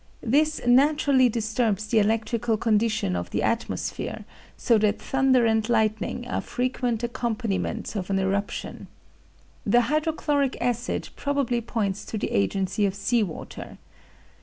This naturally disturbs the electrical condition of the atmosphere, so that thunder and lightning are frequent accompaniments of an eruption. The hydrochloric acid probably points to the agency of sea water.